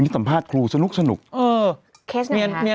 ทำยังไงดีเนี่ย